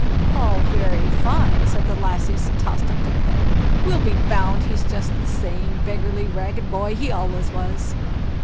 "All very fine", said the lassies, and tossed up their heads. "We'll be bound he's just the same beggarly ragged boy he always was."